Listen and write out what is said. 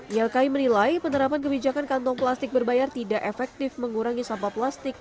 ylki menilai penerapan kebijakan kantong plastik berbayar tidak efektif mengurangi sampah plastik